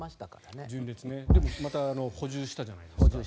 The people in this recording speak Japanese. でもまた補充したじゃないですか。